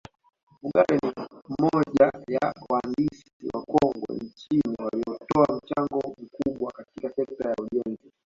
Mfugale ni moja ya waandisi wakongwe nchini waliotoa mchango mkubwa katika sekta ya ujenzi